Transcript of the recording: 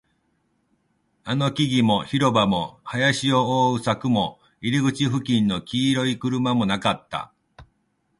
あの木々も、広場も、林を囲う柵も、入り口付近の黄色い車もなかった